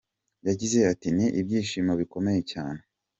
Yagize ati “Ni ibyishimo bikomeye cyane.